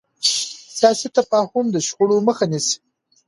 سیاسي تفاهم د شخړو مخه نیسي